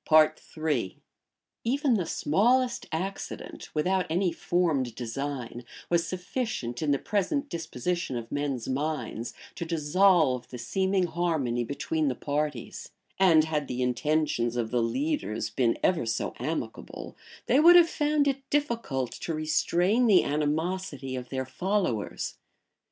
} Even the smallest accident, without any formed design, was sufficient, in the present disposition of men's minds, to dissolve the seeming harmony between the parties; and had the intentions of the leaders been ever so amicable they would have found it difficult to restrain the animosity of their followers.